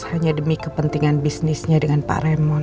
hanya demi kepentingan bisnisnya dengan pak remo